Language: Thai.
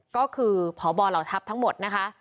ก็คือพบเหล่าทัพทั้งหมดนะคะ